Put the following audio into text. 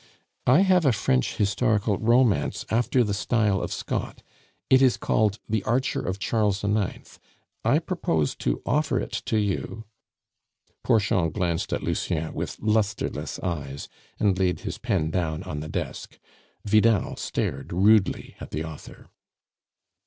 "I have a French historical romance after the style of Scott. It is called The Archer of Charles IX.; I propose to offer it to you " Porchon glanced at Lucien with lustreless eyes, and laid his pen down on the desk. Vidal stared rudely at the author.